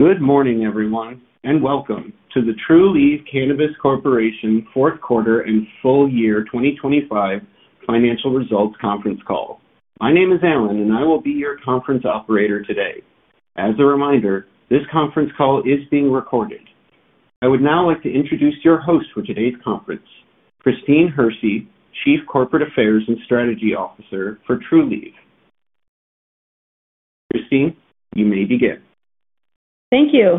Good morning, everyone, and welcome to the Trulieve Cannabis Corporation Fourth Quarter and Full Year 2025 Financial Results Conference Call. My name is Alan, and I will be your conference operator today. As a reminder, this conference call is being recorded. I would now like to introduce your host for today's conference, Christine Hersey, Chief Corporate Affairs and Strategy Officer for Trulieve. Christine, you may begin. Thank you.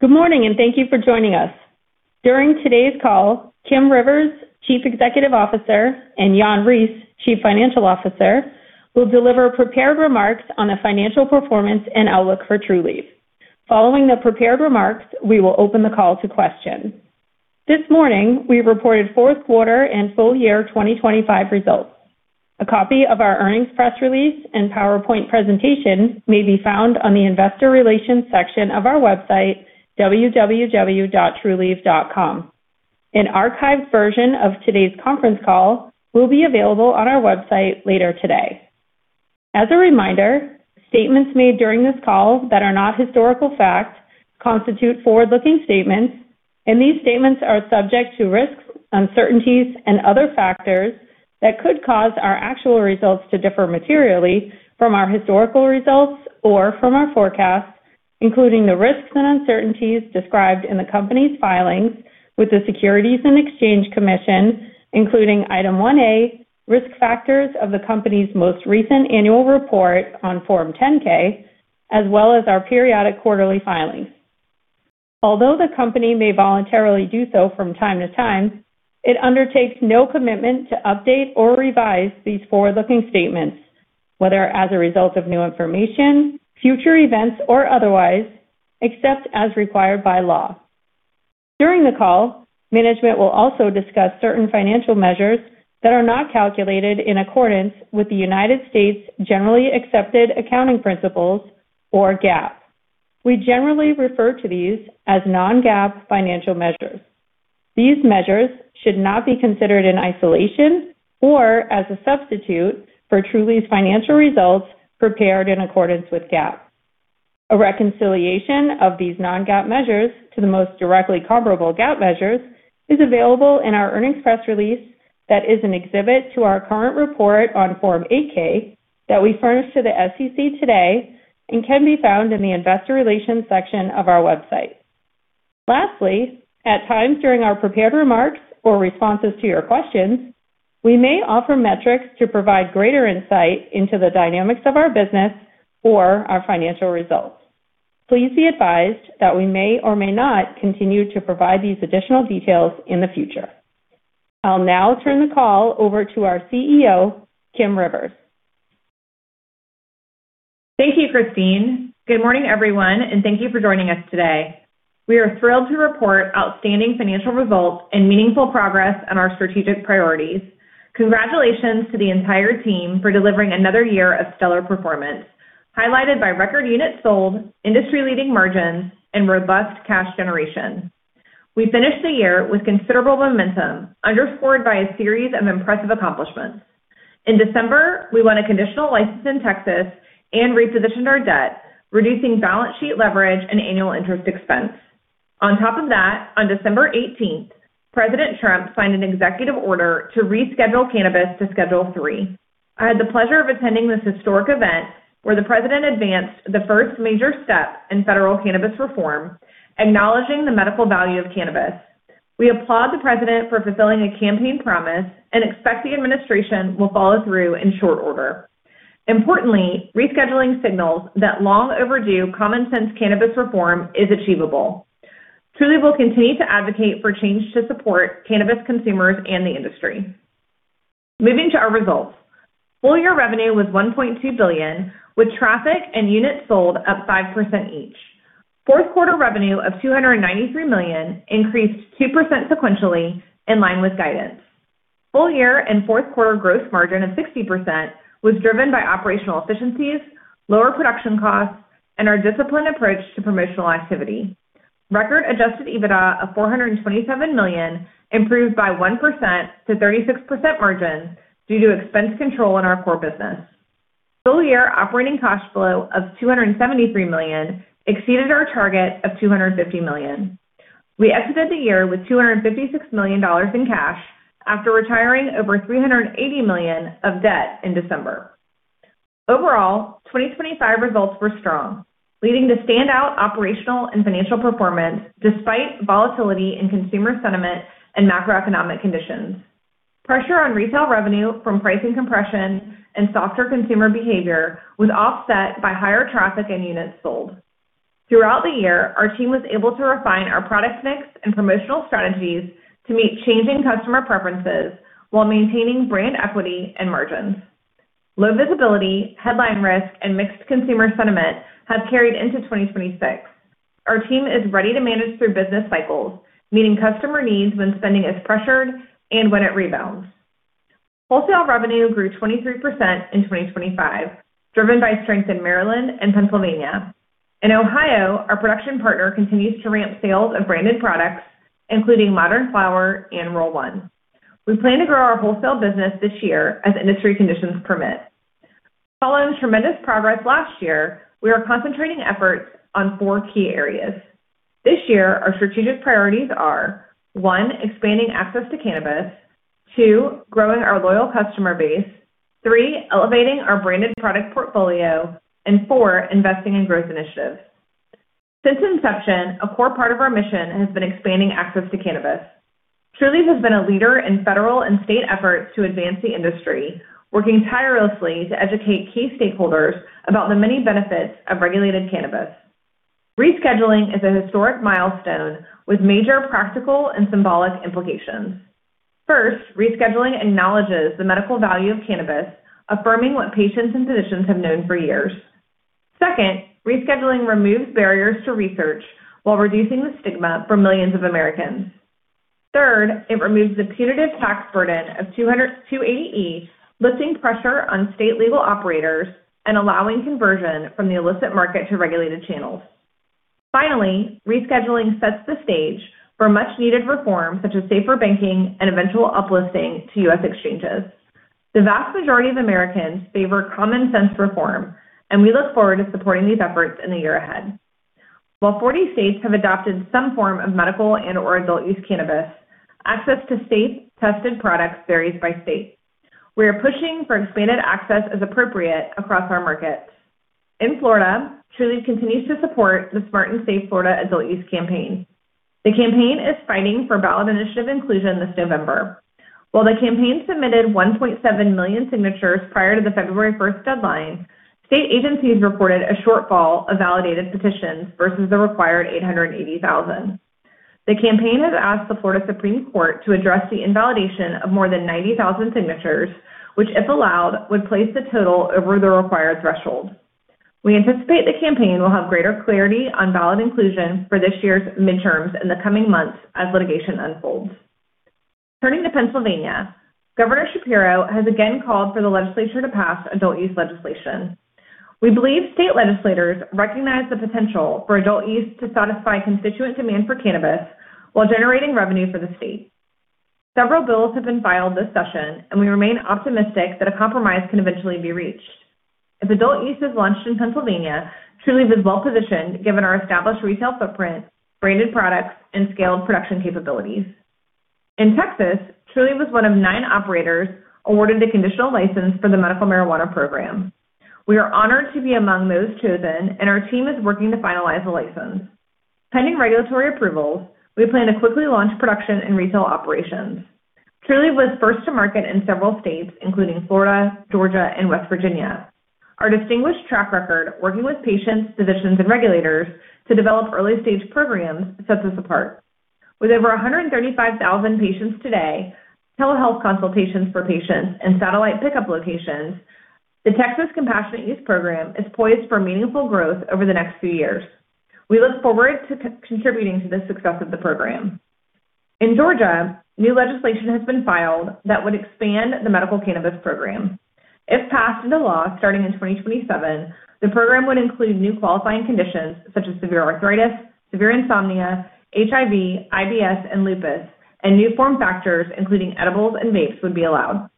Good morning, and thank you for joining us. During today's call, Kim Rivers, Chief Executive Officer, and Jan Reese, Chief Financial Officer, will deliver prepared remarks on the financial performance and outlook for Trulieve. Following the prepared remarks, we will open the call to questions. This morning, we reported fourth quarter and full year 2025 results. A copy of our earnings press release and PowerPoint presentation may be found on the investor relations section of our website, www.trulieve.com. An archived version of today's conference call will be available on our website later today. As a reminder, statements made during this call that are not historical facts constitute forward-looking statements, and these statements are subject to risks, uncertainties, and other factors that could cause our actual results to differ materially from our historical results or from our forecasts, including the risks and uncertainties described in the company's filings with the Securities and Exchange Commission, including Item 1A, Risk Factors of the company's most recent annual report on Form 10-K, as well as our periodic quarterly filings. Although the company may voluntarily do so from time to time, it undertakes no commitment to update or revise these forward-looking statements, whether as a result of new information, future events, or otherwise, except as required by law. During the call, management will also discuss certain financial measures that are not calculated in accordance with the United States generally accepted accounting principles, or GAAP. We generally refer to these as non-GAAP financial measures. These measures should not be considered in isolation or as a substitute for Trulieve's financial results prepared in accordance with GAAP. A reconciliation of these non-GAAP measures to the most directly comparable GAAP measures is available in our earnings press release that is an exhibit to our current report on Form 8-K that we furnished to the SEC today and can be found in the Investor Relations section of our website. At times during our prepared remarks or responses to your questions, we may offer metrics to provide greater insight into the dynamics of our business or our financial results. Please be advised that we may or may not continue to provide these additional details in the future. I'll now turn the call over to our CEO, Kim Rivers. Thank you, Christine. Good morning, everyone, and thank you for joining us today. We are thrilled to report outstanding financial results and meaningful progress on our strategic priorities. Congratulations to the entire team for delivering another year of stellar performance, highlighted by record units sold, industry-leading margins, and robust cash generation. We finished the year with considerable momentum, underscored by a series of impressive accomplishments. In December, we won a conditional license in Texas and repositioned our debt, reducing balance sheet leverage and annual interest expense. On top of that, on December 18th, President Trump signed an executive order to reschedule cannabis to Schedule III. I had the pleasure of attending this historic event, where the President advanced the first major step in federal cannabis reform, acknowledging the medical value of cannabis. We applaud the President for fulfilling a campaign promise and expect the administration will follow through in short order. Importantly, rescheduling signals that long overdue common sense cannabis reform is achievable. Trulieve will continue to advocate for change to support cannabis consumers and the industry. Moving to our results. Full year revenue was $1.2 billion, with traffic and units sold up 5% each. Fourth quarter revenue of $293 million increased 2% sequentially in line with guidance. Full year and fourth quarter growth margin of 60% was driven by operational efficiencies, lower production costs, and our disciplined approach to promotional activity. Record adjusted EBITDA of $427 million improved by 1% to 36% margins due to expense control in our core business. Full year operating cash flow of $273 million exceeded our target of $250 million. We exited the year with $256 million in cash after retiring over $380 million of debt in December. Overall, 2025 results were strong, leading to standout operational and financial performance despite volatility in consumer sentiment and macroeconomic conditions. Pressure on retail revenue from pricing compression and softer consumer behavior was offset by higher traffic and units sold. Throughout the year, our team was able to refine our product mix and promotional strategies to meet changing customer preferences while maintaining brand equity and margins. Low visibility, headline risk, and mixed consumer sentiment have carried into 2026. Our team is ready to manage through business cycles, meeting customer needs when spending is pressured and when it rebounds. Wholesale revenue grew 23% in 2025, driven by strength in Maryland and Pennsylvania. In Ohio, our production partner continues to ramp sales of branded products, including Modern Flower and Roll One. We plan to grow our wholesale business this year as industry conditions permit. Following tremendous progress last year, we are concentrating efforts on four key areas. This year, our strategic priorities are: One, expanding access to cannabis. Two, growing our loyal customer base. Three, elevating our branded product portfolio. And four, investing in growth initiatives. Since inception, a core part of our mission has been expanding access to cannabis. Trulieve has been a leader in federal and state efforts to advance the industry, working tirelessly to educate key stakeholders about the many benefits of regulated cannabis. Rescheduling is a historic milestone with major practical and symbolic implications. First, rescheduling acknowledges the medical value of cannabis, affirming what patients and physicians have known for years. Second, rescheduling removes barriers to research while reducing the stigma for millions of Americans. Third, it removes the punitive tax burden of 280E, lifting pressure on state legal operators and allowing conversion from the illicit market to regulated channels. Finally, rescheduling sets the stage for much-needed reform, such as safer banking and eventual uplisting to U.S. exchanges. The vast majority of Americans favor common sense reform. We look forward to supporting these efforts in the year ahead. While 40 states have adopted some form of medical and or adult use cannabis, access to safe, tested products varies by state. We are pushing for expanded access as appropriate across our markets. In Florida, Trulieve continues to support the Smart & Safe Florida Adult Use campaign. The campaign is fighting for ballot initiative inclusion this November. While the campaign submitted 1.7 million signatures prior to the February 1st deadline, state agencies reported a shortfall of validated petitions versus the required 880,000. The campaign has asked the Supreme Court of Florida to address the invalidation of more than 90,000 signatures, which, if allowed, would place the total over the required threshold. We anticipate the campaign will have greater clarity on ballot inclusion for this year's midterms in the coming months as litigation unfolds. Turning to Pennsylvania, Governor Shapiro has again called for the legislature to pass adult-use legislation. We believe state legislators recognize the potential for adult use to satisfy constituent demand for cannabis while generating revenue for the state. Several bills have been filed this session, and we remain optimistic that a compromise can eventually be reached. If adult use is launched in Pennsylvania, Trulieve is well positioned given our established retail footprint, branded products, and scaled production capabilities. In Texas, Trulieve was one of nine operators awarded a conditional license for the medical marijuana program. We are honored to be among those chosen, and our team is working to finalize the license. Pending regulatory approvals, we plan to quickly launch production and retail operations. Trulieve was first to market in several states, including Florida, Georgia, and West Virginia. Our distinguished track record, working with patients, physicians, and regulators to develop early-stage programs, sets us apart. With over 135,000 patients today, telehealth consultations for patients, and satellite pickup locations, the Texas Compassionate Use Program is poised for meaningful growth over the next few years. We look forward to contributing to the success of the program. In Georgia, new legislation has been filed that would expand the medical cannabis program. If passed into law, starting in 2027, the program would include new qualifying conditions such as severe arthritis, severe insomnia, HIV, IBS, and lupus, and new form factors, including edibles and vapes, would be allowed.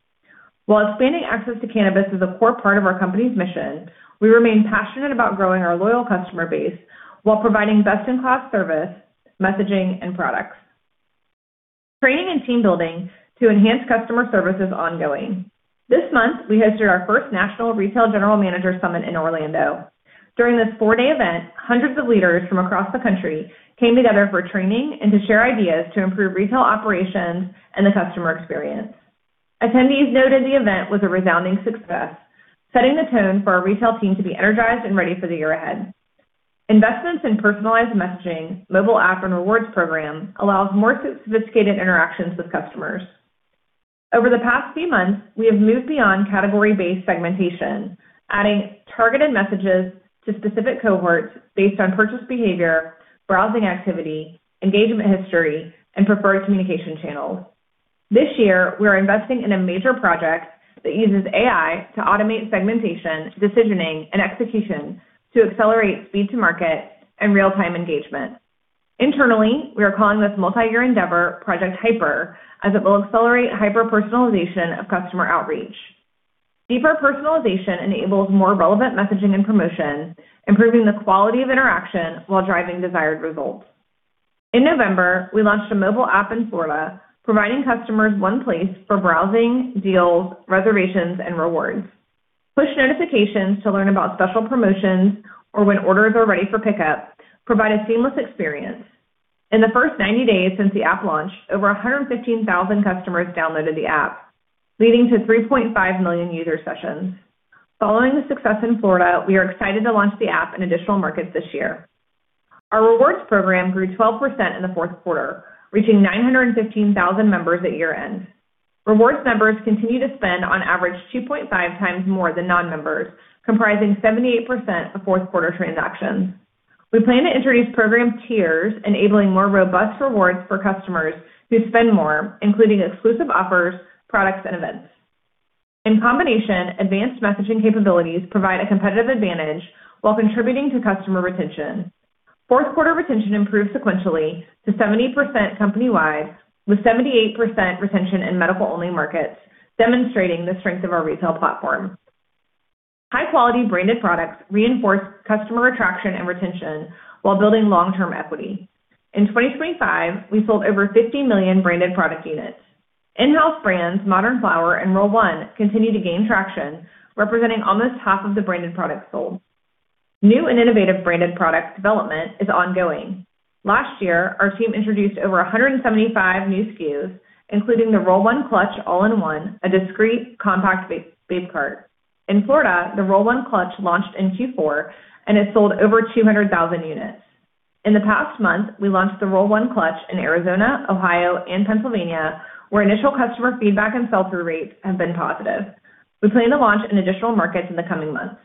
While expanding access to cannabis is a core part of our company's mission, we remain passionate about growing our loyal customer base while providing best-in-class service, messaging, and products. Training and team building to enhance customer service is ongoing. This month, we hosted our first national retail general manager summit in Orlando. During this four-day event, hundreds of leaders from across the country came together for training and to share ideas to improve retail operations and the customer experience. Attendees noted the event was a resounding success, setting the tone for our retail team to be energized and ready for the year ahead. Investments in personalized messaging, mobile app, and rewards program allows more sophisticated interactions with customers. Over the past few months, we have moved beyond category-based segmentation, adding targeted messages to specific cohorts based on purchase behavior, browsing activity, engagement history, and preferred communication channels. This year, we are investing in a major project that uses AI to automate segmentation, decisioning, and execution to accelerate speed to market and real-time engagement. Internally, we are calling this multi-year endeavor Project Hyper, as it will accelerate hyper-personalization of customer outreach. Deeper personalization enables more relevant messaging and promotion, improving the quality of interaction while driving desired results. In November, we launched a mobile app in Florida, providing customers one place for browsing, deals, reservations, and rewards. Push notifications to learn about special promotions or when orders are ready for pickup provide a seamless experience. In the first 90 days since the app launched, over 115,000 customers downloaded the app, leading to 3.5 million user sessions. Following the success in Florida, we are excited to launch the app in additional markets this year. Our rewards program grew 12% in the fourth quarter, reaching 915,000 members at year-end. Rewards members continue to spend on average 2.5x more than non-members, comprising 78% of fourth-quarter transactions. We plan to introduce program tiers, enabling more robust rewards for customers who spend more, including exclusive offers, products, and events. In combination, advanced messaging capabilities provide a competitive advantage while contributing to customer retention. Fourth quarter retention improved sequentially to 70% company-wide, with 78% retention in medical-only markets, demonstrating the strength of our retail platform. High-quality branded products reinforce customer attraction and retention while building long-term equity. In 2025, we sold over 50 million branded product units. In-house brands, Modern Flower and Roll One, continue to gain traction, representing almost half of the branded products sold. New and innovative branded product development is ongoing. Last year, our team introduced over 175 new SKUs, including the Roll One Clutch All-in-One, a discrete compact vape cart. In Florida, the Roll One Clutch launched in Q4 and has sold over 200,000 units. In the past month, we launched the Roll One Clutch in Arizona, Ohio, and Pennsylvania, where initial customer feedback and sell-through rates have been positive. We plan to launch in additional markets in the coming months.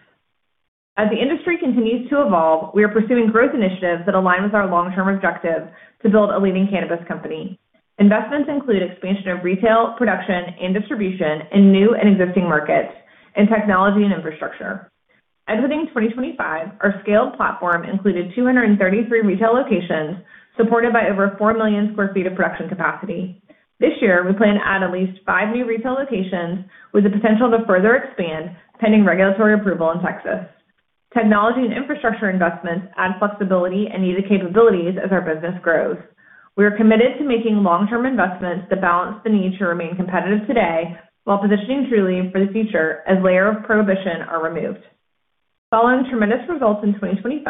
As the industry continues to evolve, we are pursuing growth initiatives that align with our long-term objective to build a leading cannabis company. Investments include expansion of retail, production, and distribution in new and existing markets, and technology and infrastructure. Entering 2025, our scaled platform included 233 retail locations, supported by over 4 million sq ft of production capacity. This year, we plan to add at least five new retail locations, with the potential to further expand, pending regulatory approval in Texas. Technology and infrastructure investments add flexibility and needed capabilities as our business grows. We are committed to making long-term investments that balance the need to remain competitive today, while positioning Trulieve for the future as layer of prohibition are removed. Following tremendous results in 2025,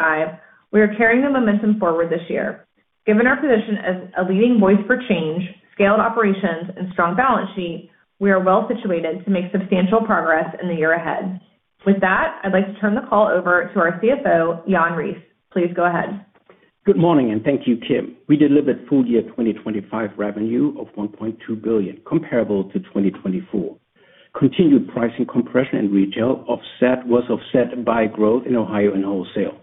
we are carrying the momentum forward this year. Given our position as a leading voice for change, scaled operations, and strong balance sheet, we are well-situated to make substantial progress in the year ahead. With that, I'd like to turn the call over to our CFO, Jan Reese. Please go ahead. Good morning, and thank you, Kim. We delivered full year 2025 revenue of $1.2 billion, comparable to 2024. Continued pricing compression in retail was offset by growth in Ohio and wholesale.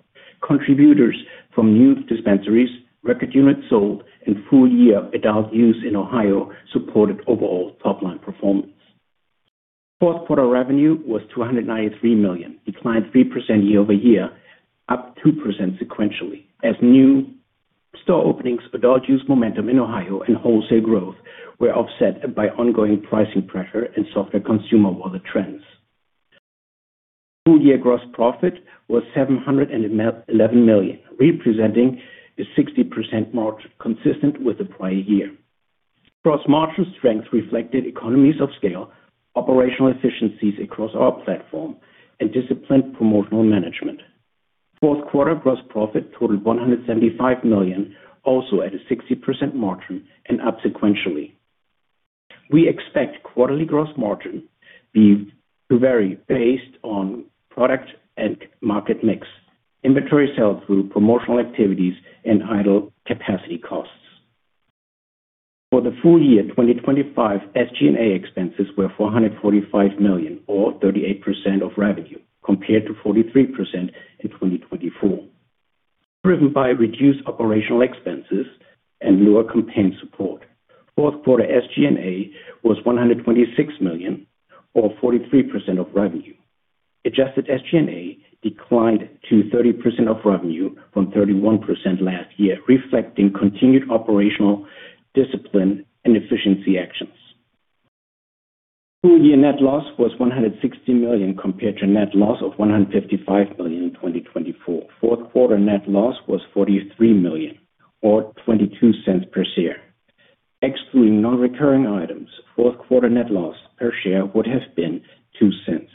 Contributors from new dispensaries, record units sold, and full year adult use in Ohio supported overall top-line performance. Fourth quarter revenue was $293 million, declined 3% year-over-year, up 2% sequentially, as new store openings, adult use momentum in Ohio, and wholesale growth were offset by ongoing pricing pressure and softer consumer wallet trends. Full year gross profit was $711 million, representing a 60% margin, consistent with the prior year. Gross margin strength reflected economies of scale, operational efficiencies across our platform, and disciplined promotional management. Fourth quarter gross profit totaled $175 million, also at a 60% margin and up sequentially. We expect quarterly gross margin to vary based on product and market mix, inventory sell-through, promotional activities, and idle capacity costs. For the full year 2025, SG&A expenses were $445 million, or 38% of revenue, compared to 43% in 2024, driven by reduced operational expenses and lower campaign support. Fourth quarter SG&A was $126 million, or 43% of revenue. Adjusted SG&A declined to 30% of revenue from 31% last year, reflecting continued operational discipline and efficiency actions. Full year net loss was $160 million, compared to a net loss of $155 million in 2024. Fourth quarter net loss was $43 million, or $0.22 per share. Excluding non-recurring items, fourth quarter net loss per share would have been $0.02.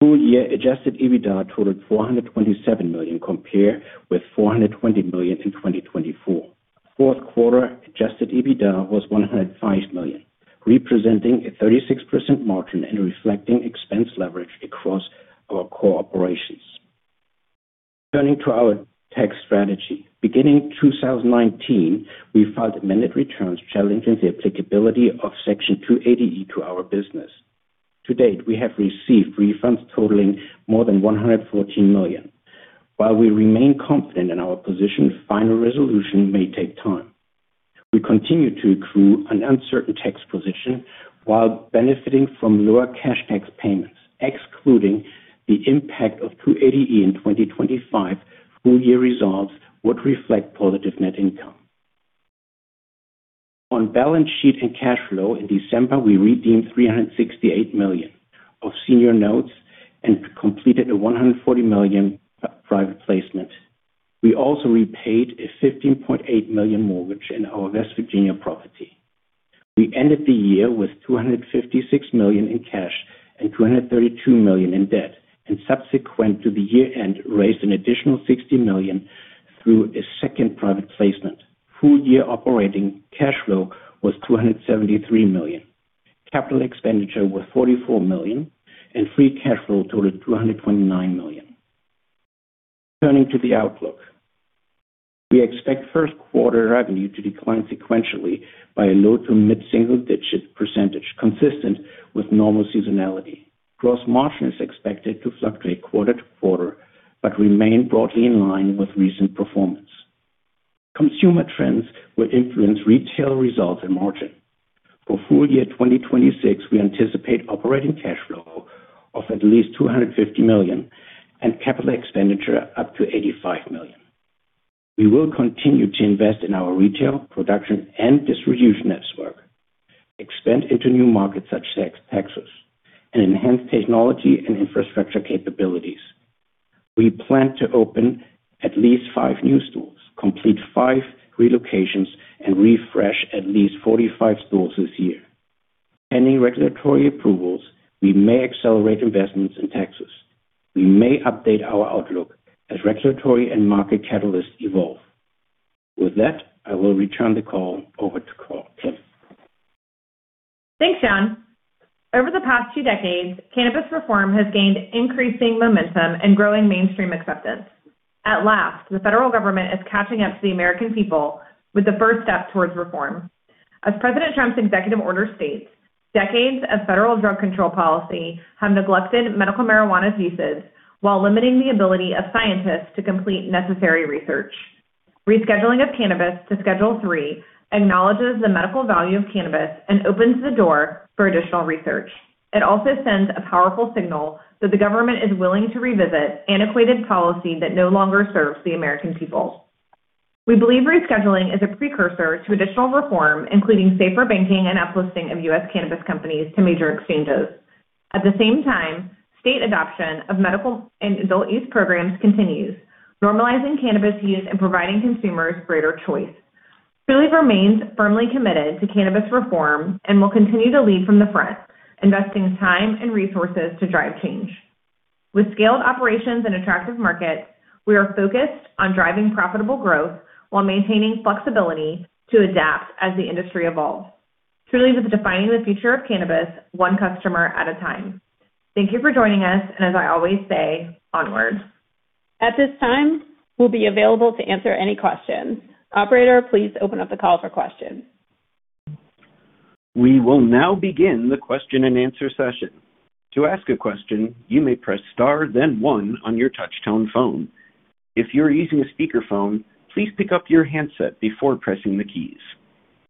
Full year adjusted EBITDA totaled $427 million, compared with $420 million in 2024. Fourth quarter adjusted EBITDA was $105 million, representing a 36% margin and reflecting expense leverage across our core operations. Turning to our tax strategy. Beginning 2019, we filed amended returns challenging the applicability of Section 280E to our business. To date, we have received refunds totaling more than $114 million. While we remain confident in our position, final resolution may take time. We continue to accrue an uncertain tax position while benefiting from lower cash tax payments. Excluding the impact of 280E in 2025, full year results would reflect positive net income. On balance sheet and cash flow, in December, we redeemed $368 million of senior notes and completed a $140 million private placement. We also repaid a $15.8 million mortgage in our West Virginia property. We ended the year with $256 million in cash and $232 million in debt, and subsequent to the year-end, raised an additional $60 million through a second private placement. Full year operating cash flow was $273 million. Capital expenditure was $44 million, and free cash flow totaled $229 million. Turning to the outlook. We expect first quarter revenue to decline sequentially by a low to mid-single-digit percentage, consistent with normal seasonality. Gross margin is expected to fluctuate quarter to quarter, but remain broadly in line with recent performance. Consumer trends will influence retail results and margin. For full year 2026, we anticipate operating cash flow of at least $250 million, and capital expenditure up to $85 million. We will continue to invest in our retail, production, and distribution network, expand into new markets such as Texas, and enhance technology and infrastructure capabilities. We plan to open at least five new stores, complete five relocations, and refresh at least 45 stores this year. Any regulatory approvals, we may accelerate investments in Texas. We may update our outlook as regulatory and market catalysts evolve. With that, I will return the call over to Kim. Thanks, Jan. Over the past two decades, cannabis reform has gained increasing momentum and growing mainstream acceptance. At last, the federal government is catching up to the American people with the first step towards reform. As President Trump's executive order states, decades of federal drug control policy have neglected medical marijuana's uses while limiting the ability of scientists to complete necessary research. Rescheduling of cannabis to Schedule III acknowledges the medical value of cannabis and opens the door for additional research. It also sends a powerful signal that the government is willing to revisit antiquated policy that no longer serves the American people. We believe rescheduling is a precursor to additional reform, including safer banking and uplisting of U.S. cannabis companies to major exchanges. At the same time, state adoption of medical and adult use programs continues, normalizing cannabis use and providing consumers greater choice. Trulieve remains firmly committed to cannabis reform and will continue to lead from the front, investing time and resources to drive change. With scaled operations and attractive markets, we are focused on driving profitable growth while maintaining flexibility to adapt as the industry evolves. Trulieve is defining the future of cannabis, one customer at a time. Thank you for joining us, and as I always say, onward. At this time, we'll be available to answer any questions. Operator, please open up the call for questions. We will now begin the question-and-answer session. To ask a question, you may press star, then one on your touchtone phone. If you're using a speakerphone, please pick up your handset before pressing the keys.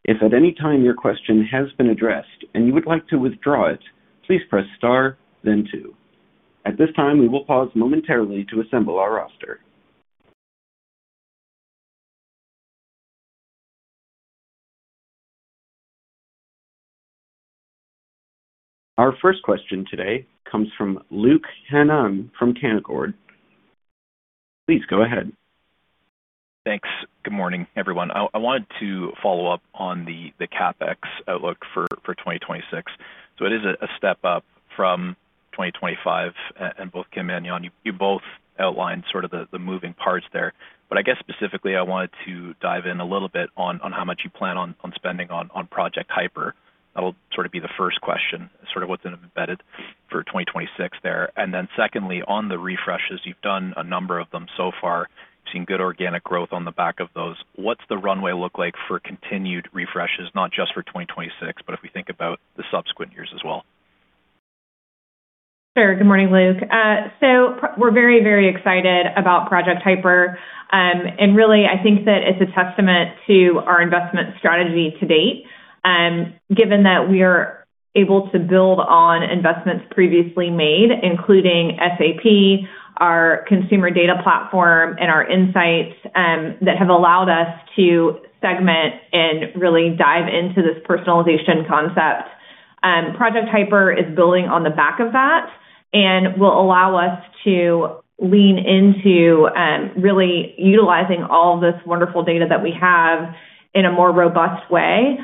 If at any time your question has been addressed and you would like to withdraw it, please press star, then two. At this time, we will pause momentarily to assemble our roster. Our first question today comes from Luke Hannan from Canaccord. Please go ahead. Thanks. Good morning, everyone. I wanted to follow up on the CapEx outlook for 2026. It is a step up from 2025, and both Kim and Jan, you both outlined sort of the moving parts there. I guess specifically, I wanted to dive in a little bit on how much you plan on spending on Project Hyper. That'll sort of be the first question, sort of what's been embedded for 2026 there. Secondly, on the refreshes, you've done a number of them so far, seen good organic growth on the back of those. What's the runway look like for continued refreshes, not just for 2026, but if we think about the subsequent years as well? Sure. Good morning, Luke. We're very excited about Project Hyper. Really, I think that it's a testament to our investment strategy to date, given that we are able to build on investments previously made, including SAP, our consumer data platform, and our insights, that have allowed us to segment and really dive into this personalization concept. Project Hyper is building on the back of that and will allow us to lean into really utilizing all this wonderful data that we have in a more robust way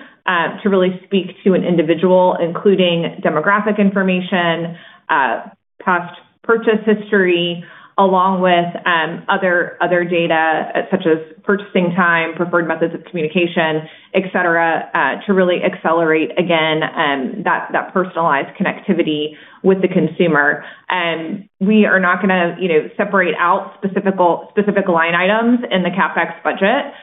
to really speak to an individual, including demographic information, past purchase history, along with other data, such as purchasing time, preferred methods of communication, et cetera, to really accelerate again that personalized connectivity with the consumer. We are not gonna, you know, separate out specific line items in the CapEx budget.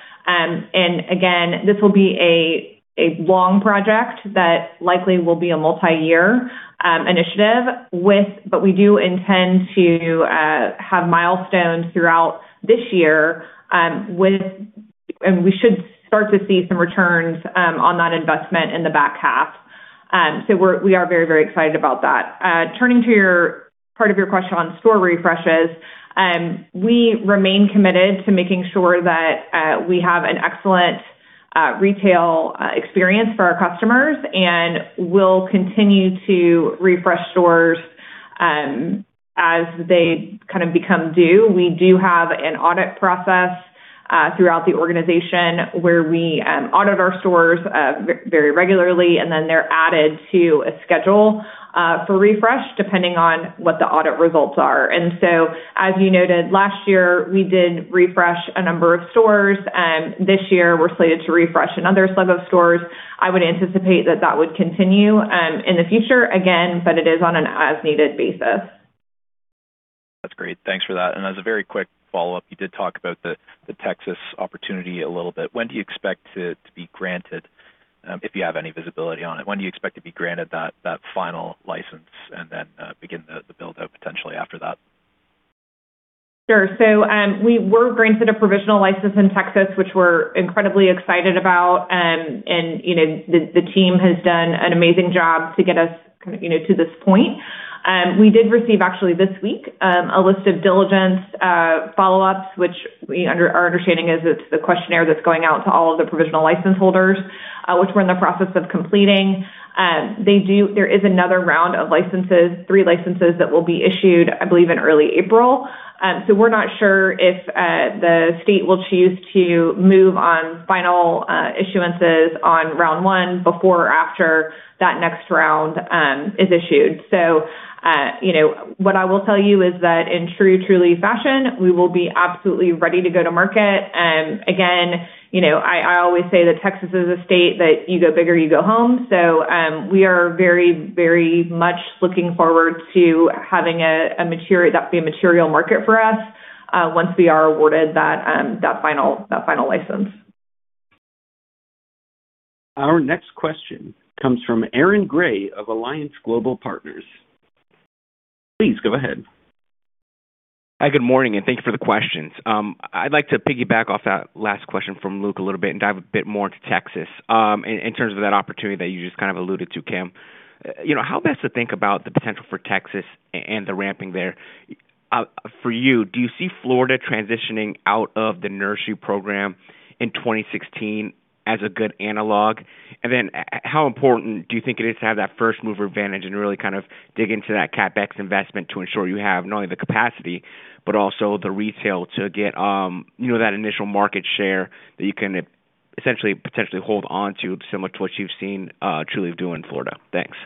Again, this will be a long project that likely will be a multi-year initiative. We do intend to have milestones throughout this year, and we should start to see some returns on that investment in the back half. We are very, very excited about that. Turning to part of your question on store refreshes, we remain committed to making sure that we have an excellent retail experience for our customers, and we'll continue to refresh stores as they kind of become due. We do have an audit process throughout the organization, where we audit our stores very regularly, and then they're added to a schedule for refresh, depending on what the audit results are. As you noted, last year, we did refresh a number of stores, this year, we're slated to refresh another slew of stores. I would anticipate that that would continue in the future, again, but it is on an as-needed basis. That's great. Thanks for that. As a very quick follow-up, you did talk about the Texas opportunity a little bit. When do you expect to be granted, if you have any visibility on it? When do you expect to be granted that final license and then begin the build-out potentially after that? Sure. We were granted a provisional license in Texas, which we're incredibly excited about. You know, the team has done an amazing job to get us, you know, to this point. We did receive, actually this week, a list of diligence follow-ups, which our understanding is it's the questionnaire that's going out to all of the provisional license holders, which we're in the process of completing. There is another round of licenses, three licenses that will be issued, I believe, in early April. We're not sure if the state will choose to move on final issuances on round one before or after that next round is issued. You know, what I will tell you is that in true Trulieve fashion, we will be absolutely ready to go to market. Again, you know, I always say that Texas is a state that you go big or you go home. We are very, very much looking forward to having a material, that be a material market for us, once we are awarded that final license. Our next question comes from Aaron Grey of Alliance Global Partners. Please go ahead. Hi, good morning, thank you for the questions. I'd like to piggyback off that last question from Luke a little bit and dive a bit more into Texas. In terms of that opportunity that you just kind of alluded to, Kim. You know, how best to think about the potential for Texas and the ramping there? For you, do you see Florida transitioning out of the nursery program in 2016 as a good analog? How important do you think it is to have that first mover advantage and really kind of dig into that CapEx investment to ensure you have not only the capacity, but also the retail to get, you know, that initial market share that you can essentially, potentially hold on to, similar to what you've seen, Trulieve do in Florida? Thanks.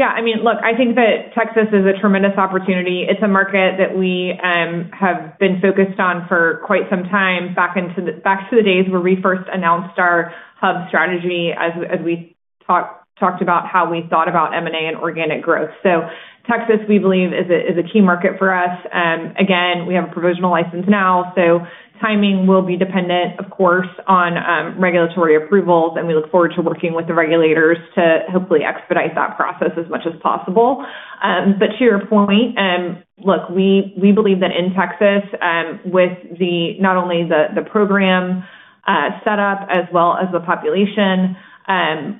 Yeah, I mean, look, I think that Texas is a tremendous opportunity. It's a market that we have been focused on for quite some time, back to the days where we first announced our hub strategy as we talked about how we thought about M&A and organic growth. Texas, we believe, is a key market for us. Again, we have a provisional license now, so timing will be dependent, of course, on regulatory approvals, and we look forward to working with the regulators to hopefully expedite that process as much as possible. To your point, look, we believe that in Texas, with the, not only the program set up as well as the population,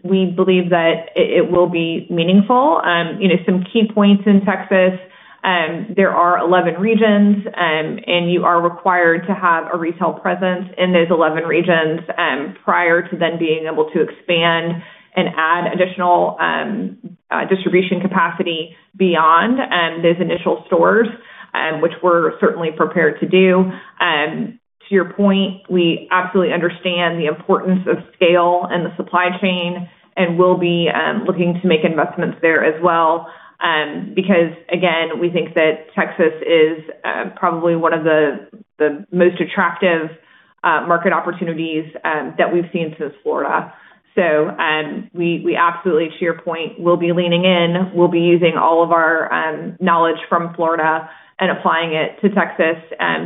we believe that it will be meaningful. You know, some key points in Texas, there are 11 regions, and you are required to have a retail presence in those 11 regions, prior to then being able to expand and add additional distribution capacity beyond those initial stores, which we're certainly prepared to do. To your point, we absolutely understand the importance of scale and the supply chain, and we'll be looking to make investments there as well. Because again, we think that Texas is probably one of the most attractive market opportunities that we've seen since Florida. We, we absolutely, to your point, will be leaning in. We'll be using all of our knowledge from Florida and applying it to Texas,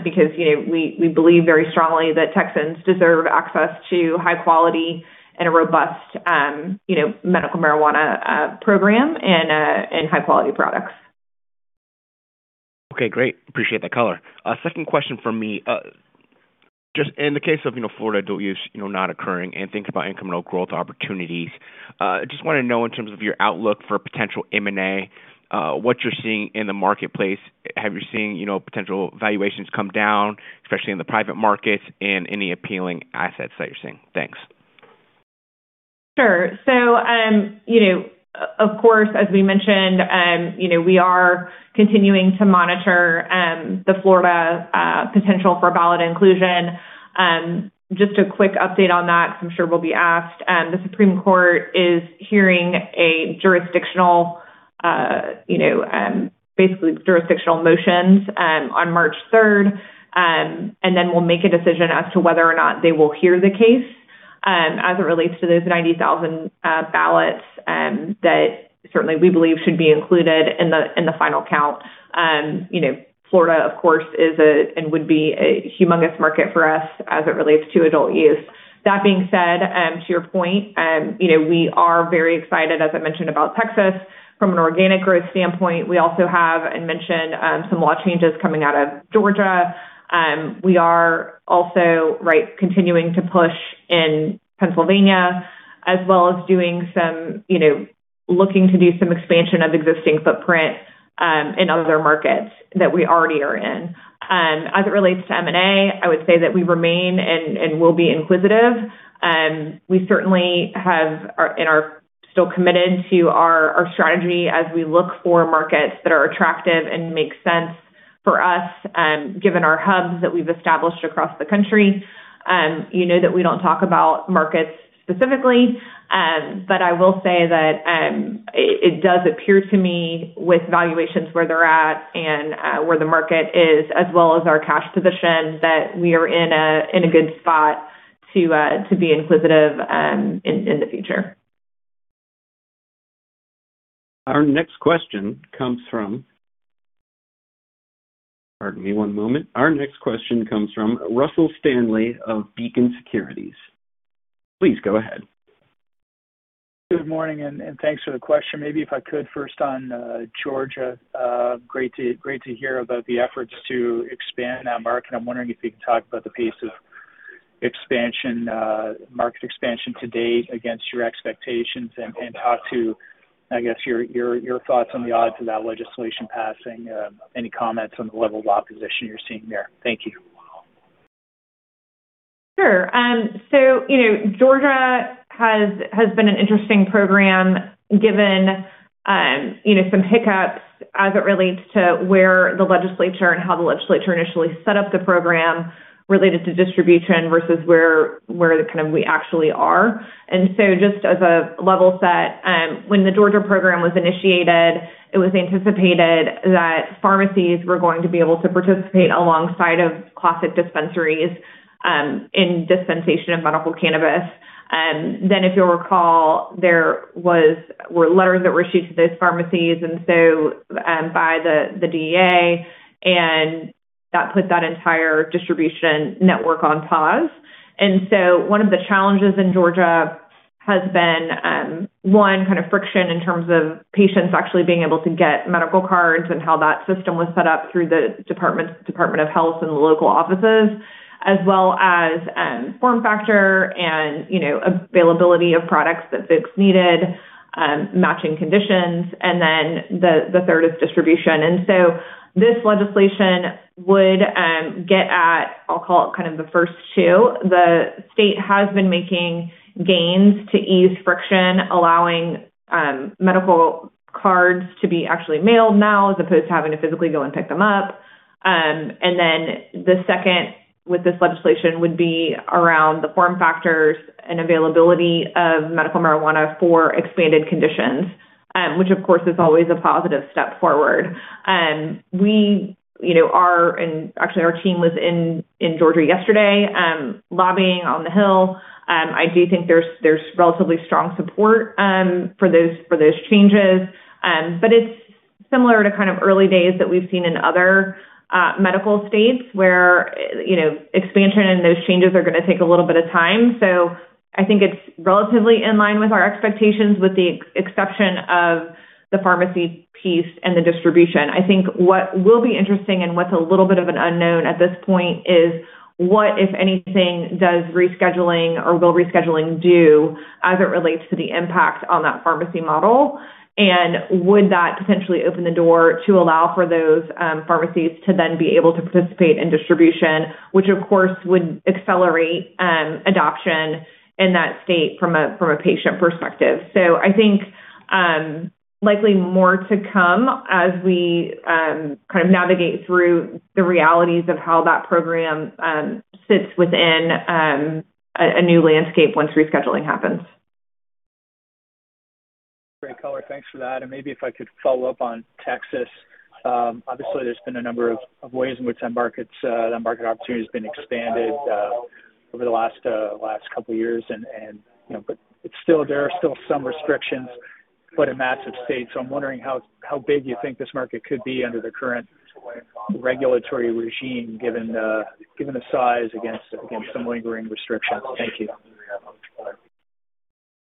because, you know, we believe very strongly that Texans deserve access to high quality and a robust, you know, medical marijuana program and high-quality products. Okay, great. Appreciate that color. Second question from me. Just in the case of, you know, Florida adult use, you know, not occurring and thinking about incremental growth opportunities, just want to know in terms of your outlook for potential M&A, what you're seeing in the marketplace. Have you seen, you know, potential valuations come down, especially in the private markets, and any appealing assets that you're seeing? Thanks. Sure. You know, of course, as we mentioned, you know, we are continuing to monitor the Florida potential for ballot inclusion. Just a quick update on that, I'm sure we'll be asked. The Supreme Court is hearing a jurisdictional, basically jurisdictional motions, on March third, we'll make a decision as to whether or not they will hear the case as it relates to those 90,000 ballots that certainly we believe should be included in the final count. You know, Florida, of course, is a, would be a humongous market for us as it relates to adult use. That being said, to your point, you know, we are very excited, as I mentioned, about Texas from an organic growth standpoint. We also have, and mentioned, some law changes coming out of Georgia. We are also, right, continuing to push in Pennsylvania, as well as doing some, you know, looking to do some expansion of existing footprint, in other markets that we already are in. As it relates to M&A, I would say that we remain and will be inquisitive. We certainly have and are still committed to our strategy as we look for markets that are attractive and make sense for us, given our hubs that we've established across the country. You know that we don't talk about markets specifically, but I will say that it does appear to me with valuations where they're at and where the market is, as well as our cash position, that we are in a good spot to be inquisitive in the future. Pardon me one moment. Our next question comes from Russell Stanley of Beacon Securities. Please go ahead. Good morning. Thanks for the question. Maybe if I could first on Georgia, great to hear about the efforts to expand that market. I'm wondering if you could talk about the pace of expansion, market expansion to date against your expectations and talk to, I guess, your thoughts on the odds of that legislation passing, any comments on the level of opposition you're seeing there? Thank you. Sure. You know, Georgia has been an interesting program, given, you know, some hiccups as it relates to where the legislature and how the legislature initially set up the program related to distribution versus where kind of we actually are. Just as a level set, when the Georgia program was initiated, it was anticipated that pharmacies were going to be able to participate alongside of classic dispensaries, in dispensation of medical cannabis. If you'll recall, there were letters that were issued to those pharmacies, by the DEA, and that put that entire distribution network on pause. One of the challenges in Georgia has been, one, kind of friction in terms of patients actually being able to get medical cards and how that system was set up through the Department of Health and the local offices, as well as form factor and, you know, availability of products that folks needed, matching conditions, and then the third is distribution. This legislation would get at, I'll call it, kind of the first two. The state has been making gains to ease friction, allowing medical cards to be actually mailed now, as opposed to having to physically go and pick them up. The second, with this legislation would be around the form factors and availability of medical marijuana for expanded conditions, which, of course, is always a positive step forward. We, you know, are, and actually our team was in Georgia yesterday, lobbying on the Hill. I do think there's relatively strong support for those changes. But it's similar to kind of early days that we've seen in other medical states where, you know, expansion and those changes are gonna take a little bit of time. I think it's relatively in line with our expectations, with the exception of the pharmacy piece and the distribution. I think what will be interesting and what's a little bit of an unknown at this point is: what, if anything, does rescheduling or will rescheduling do as it relates to the impact on that pharmacy model? Would that potentially open the door to allow for those pharmacies to then be able to participate in distribution, which, of course, would accelerate adoption in that state from a patient perspective. I think likely more to come as we kind of navigate through the realities of how that program sits within a new landscape once rescheduling happens. Great color. Thanks for that. Maybe if I could follow up on Texas? Obviously, there's been a number of ways in which that market's that market opportunity has been expanded over the last couple of years. you know, there are still some restrictions, but in massive states. I'm wondering how big you think this market could be under the current regulatory regime, given the size against some lingering restrictions? Thank you.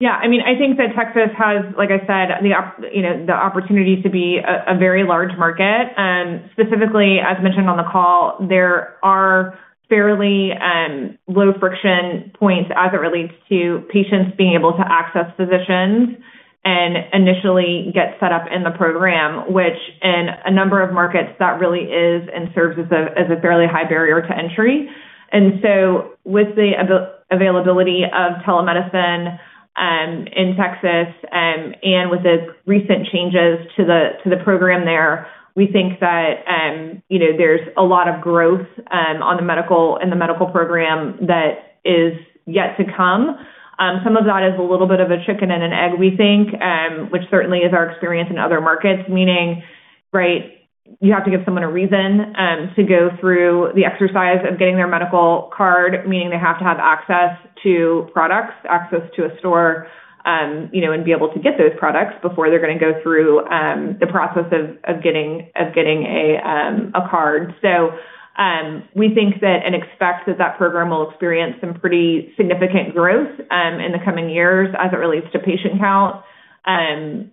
I mean, I think that Texas has, like I said, you know, the opportunity to be a very large market. Specifically, as mentioned on the call, there are fairly low-friction points as it relates to patients being able to access physicians and initially get set up in the program, which in a number of markets, that really is and serves as a fairly high barrier to entry. With the availability of telemedicine in Texas, and with the recent changes to the program there, we think that, you know, there's a lot of growth in the medical program that is yet to come. Some of that is a little bit of a chicken and an egg, we think, which certainly is our experience in other markets, meaning, right, you have to give someone a reason to go through the exercise of getting their medical card, meaning they have to have access to products, access to a store, you know, and be able to get those products before they're gonna go through the process of getting a card. We think that and expect that that program will experience some pretty significant growth in the coming years as it relates to patient count. Again,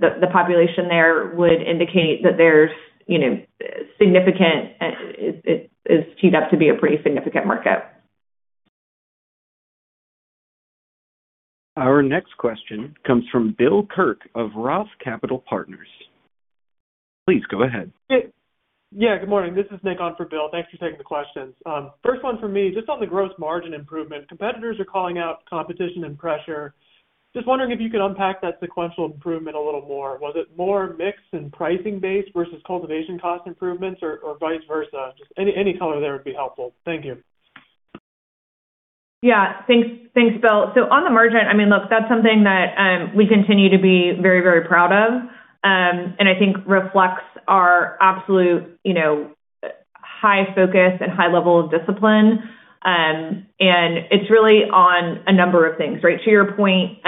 the population there would indicate that there's, you know, significant, it's teed up to be a pretty significant market. Our next question comes from Bill Kirk of Roth Capital Partners. Please go ahead. Yeah, good morning. This is Nick on for Bill. Thanks for taking the questions. First one for me, just on the gross margin improvement, competitors are calling out competition and pressure. Just wondering if you could unpack that sequential improvement a little more. Was it more mix and pricing-based versus cultivation cost improvements or vice versa? Just any color there would be helpful. Thank you. Thanks. Thanks, Bill. On the margin, I mean, look, that's something that we continue to be very, very proud of, and I think reflects our absolute, you know, high focus and high level of discipline. And it's really on a number of things. Right to your point,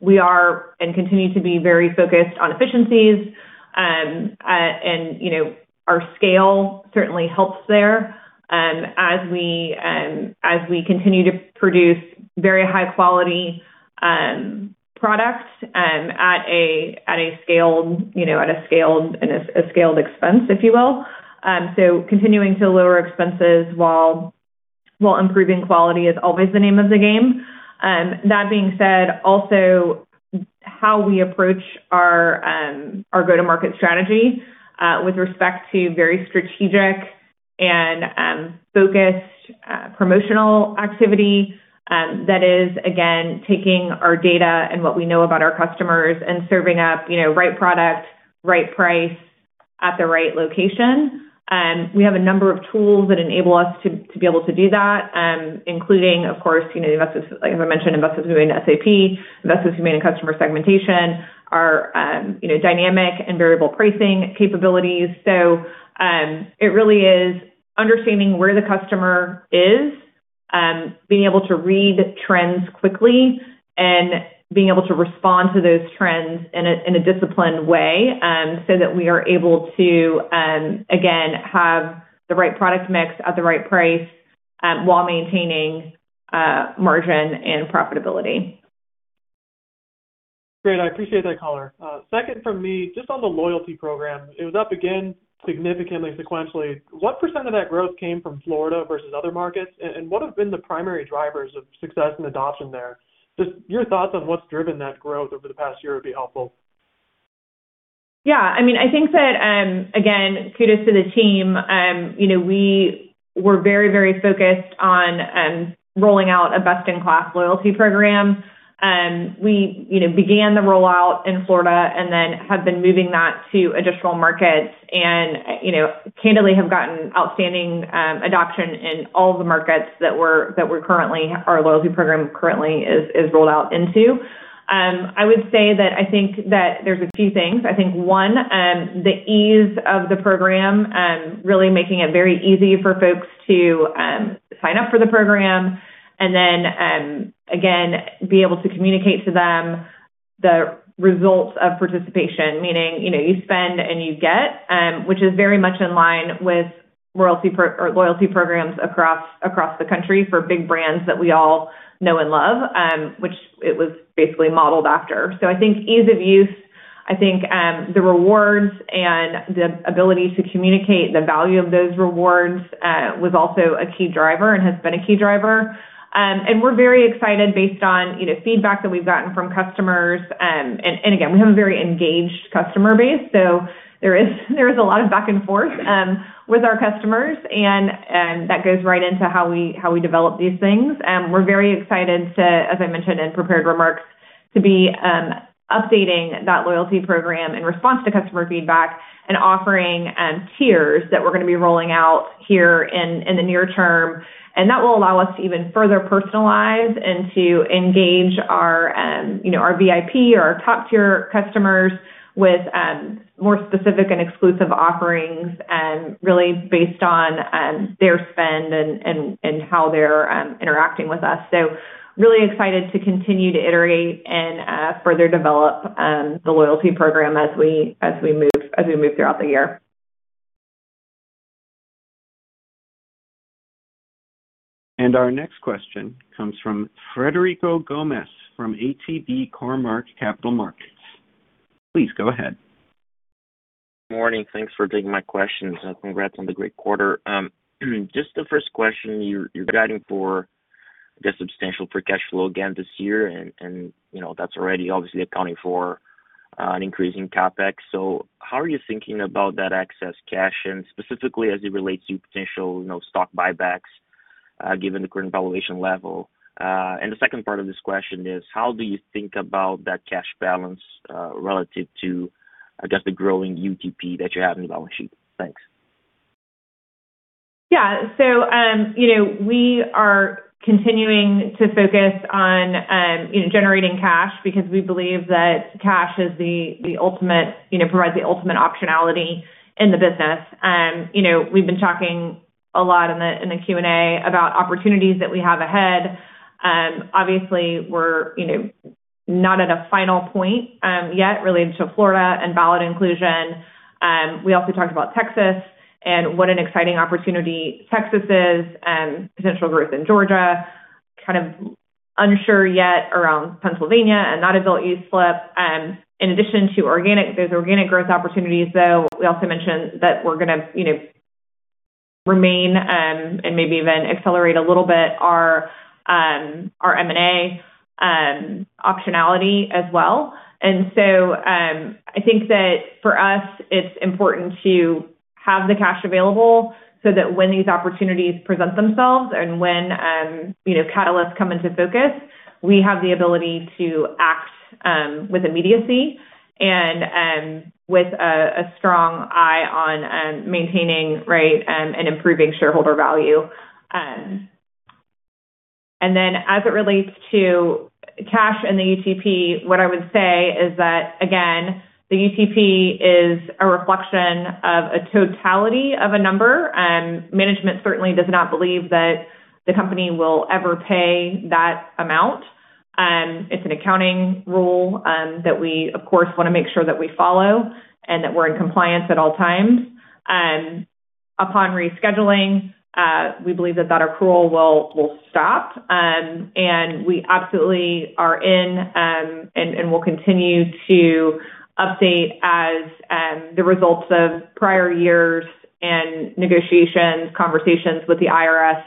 we are and continue to be very focused on efficiencies, and, you know, our scale certainly helps there. As we continue to produce very high quality products at a scaled, you know, at a scaled, and a scaled expense, if you will. Continuing to lower expenses while improving quality is always the name of the game. That being said, also how we approach our go-to-market strategy, with respect to very strategic and focused promotional activity, that is, again, taking our data and what we know about our customers and serving up, you know, right product, right price at the right location. We have a number of tools that enable us to be able to do that, including, of course, you know, the investments, as I mentioned, investments we do in SAP, investments we made in customer segmentation, our, you know, dynamic and variable pricing capabilities. It really is understanding where the customer is, being able to read trends quickly and being able to respond to those trends in a, in a disciplined way, so that we are able to, again, have the right product mix at the right price, while maintaining margin and profitability. Great, I appreciate that color. Second from me, just on the loyalty program, it was up again significantly sequentially. What % of that growth came from Florida versus other markets? What have been the primary drivers of success and adoption there? Just your thoughts on what's driven that growth over the past year would be helpful. I mean, I think that, again, kudos to the team. You know, we were very, very focused on rolling out a best-in-class loyalty program. We, you know, began the rollout in Florida and then have been moving that to additional markets and, you know, candidly have gotten outstanding adoption in all the markets that our loyalty program currently is rolled out into. I would say that I think that there's a few things. I think, one, the ease of the program, really making it very easy for folks to sign up for the program and then, again, be able to communicate to them the results of participation. Meaning, you know, you spend and you get, which is very much in line with loyalty programs across the country for big brands that we all know and love, which it was basically modeled after. I think ease of use, I think, the rewards and the ability to communicate the value of those rewards, was also a key driver and has been a key driver. We're very excited based on, you know, feedback that we've gotten from customers. Again, we have a very engaged customer base, so there is a lot of back and forth, with our customers, and that goes right into how we develop these things. We're very excited to, as I mentioned in prepared remarks, to be updating that loyalty program in response to customer feedback and offering tiers that we're going to be rolling out here in the near term. That will allow us to even further personalize and to engage our, you know, our VIP or our top-tier customers with more specific and exclusive offerings, really based on their spend and how they're interacting with us. Really excited to continue to iterate and further develop the loyalty program as we move throughout the year. Our next question comes from Frederico Gomes, from ATB Capital Markets. Please go ahead. Morning. Thanks for taking my questions, and congrats on the great quarter. Just the first question, you're guiding for the substantial free cash flow again this year, and, you know, that's already obviously accounting for an increase in CapEx. How are you thinking about that excess cash, and specifically as it relates to potential, you know, stock buybacks, given the current valuation level? The second part of this question is: how do you think about that cash balance, relative to, I guess, the growing UTP that you have in the balance sheet? Thanks. Yeah. You know, we are continuing to focus on, you know, generating cash because we believe that cash is the ultimate, you know, provides the ultimate optionality in the business. You know, we've been talking a lot in the Q&A about opportunities that we have ahead. Obviously, we're, you know, not at a final point yet related to Florida and ballot inclusion. We also talked about Texas and what an exciting opportunity Texas is, potential growth in Georgia. Kind of unsure yet around Pennsylvania and Nashville East Flip. In addition to those organic growth opportunities, though, we also mentioned that we're gonna, you know, remain and maybe even accelerate a little bit our M&A optionality as well. I think that for us, it's important to have the cash available so that when these opportunities present themselves and when, you know, catalysts come into focus, we have the ability to act with immediacy and with a strong eye on maintaining, right, and improving shareholder value. Then, as it relates to cash and the UTP, what I would say is that, again, the UTP is a reflection of a totality of a number, management certainly does not believe that the company will ever pay that amount and It's an accounting rule that we, of course, want to make sure that we follow and that we're in compliance at all times. Upon rescheduling, we believe that that accrual will stop. We absolutely are in, and will continue to update as the results of prior years and negotiations, conversations with the IRS,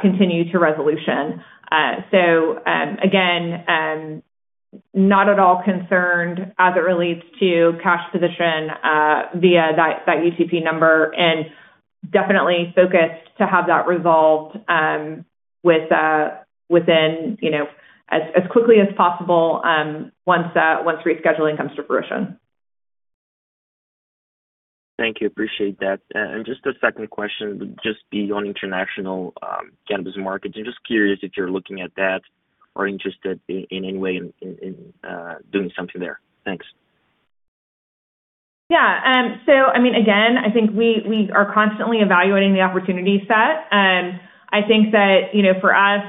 continue to resolution. Again, not at all concerned as it relates to cash position, via that UTP number, and definitely focused to have that resolved with within, you know, as quickly as possible, once rescheduling comes to fruition. Thank you. Appreciate that. Just a second question, just beyond international cannabis markets. I'm just curious if you're looking at that or interested in any way in doing something there. Thanks. Yeah. I mean, again, I think we are constantly evaluating the opportunity set. I think that, you know, for us,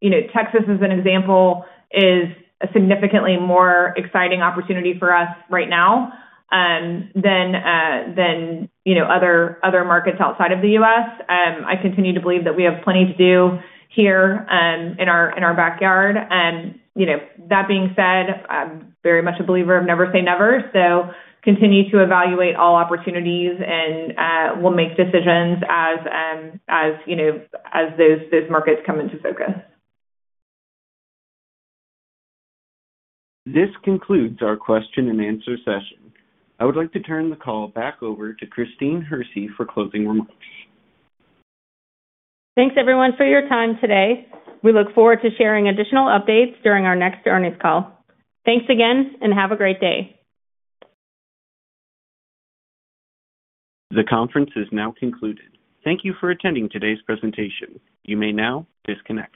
you know, Texas, as an example, is a significantly more exciting opportunity for us right now, than, you know, other markets outside of the U.S. I continue to believe that we have plenty to do here, in our, in our backyard. You know, that being said, I'm very much a believer of never say never. Continue to evaluate all opportunities and, we'll make decisions as, you know, as those markets come into focus. This concludes our question and answer session. I would like to turn the call back over to Christine Hersey for closing remarks. Thanks, everyone, for your time today. We look forward to sharing additional updates during our next earnings call. Thanks again, and have a great day. The conference is now concluded. Thank you for attending today's presentation. You may now disconnect.